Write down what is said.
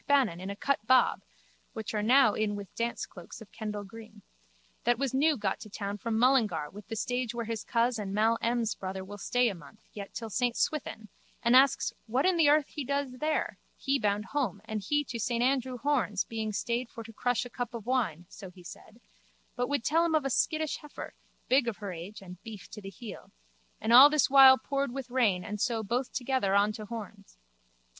Bannon in a cut bob (which are now in with dance cloaks of Kendal green) that was new got to town from Mullingar with the stage where his coz and Mal M's brother will stay a month yet till Saint Swithin and asks what in the earth he does there, he bound home and he to Andrew Horne's being stayed for to crush a cup of wine, so he said, but would tell him of a skittish heifer, big of her age and beef to the heel, and all this while poured with rain and so both together on to Horne's.